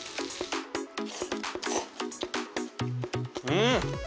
うん！